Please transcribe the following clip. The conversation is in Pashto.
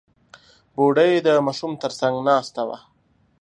بوډۍ د ماشوم تر څنګ ناسته وه.